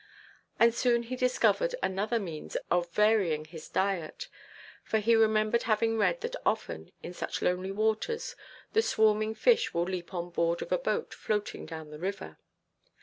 And soon he discovered another means of varying his diet, for he remembered having read that often, in such lonely waters, the swarming fish will leap on board of a boat floating down the river.